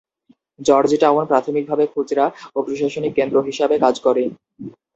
Georgetown প্রাথমিকভাবে খুচরা ও প্রশাসনিক কেন্দ্র হিসাবে কাজ করে।